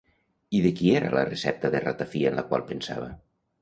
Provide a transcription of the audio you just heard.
I de qui era la recepta de ratafia en la qual pensava?